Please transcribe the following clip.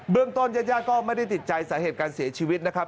เรื่องต้นญาติญาติก็ไม่ได้ติดใจสาเหตุการเสียชีวิตนะครับ